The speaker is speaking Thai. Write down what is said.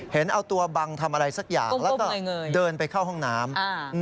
เห็นเอาตัวบังทำอะไรสักอย่างแล้วก็เดินไปเข้าห้องน้ำ